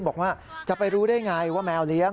บอกว่าจะไปรู้ได้ไงว่าแมวเลี้ยง